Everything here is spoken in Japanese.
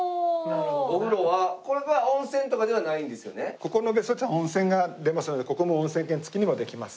おお！お風呂はこれはここの別荘地は温泉が出ますのでここも温泉付きにもできます。